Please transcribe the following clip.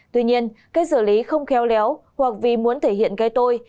tuy nhiên cách giữ lý không kheo léo hoặc vì muốn thể hiện gây tôi